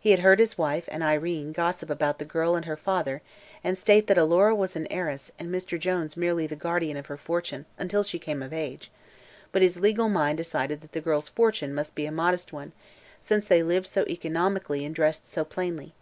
He had heard his wife and Irene gossip about the girl and her father and state that Alora was an heiress and Mr. Jones merely the guardian of her fortune until she came of age, but his legal mind decided that the girl's "fortune" must be a modest one, since they lived so economically and dressed so plainly.